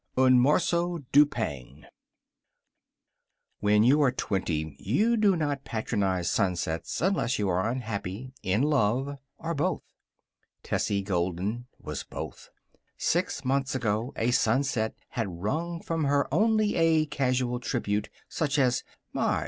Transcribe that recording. Un Morso doo Pang When you are twenty you do not patronize sunsets unless you are unhappy, in love, or both. Tessie Golden was both. Six months ago a sunset had wrung from her only a casual tribute, such as: "My!